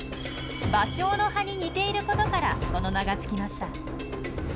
バショウの葉に似ていることからこの名が付きました。